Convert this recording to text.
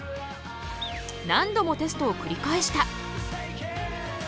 何度もテストをくり返した。